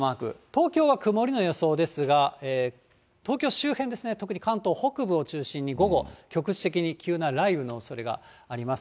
東京は曇りの予想ですが、東京周辺ですね、特に関東北部を中心に午後、局地的に急な雷雨のおそれがあります。